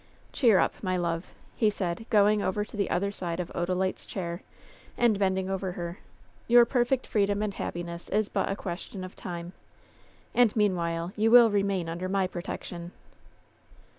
Cheer up, my love!" he said, going over to the other side of Odalite's chair, and bending over her. ^'Your perfect freedom and happiness is but a question of time. And meanwhile you will remain under my protection."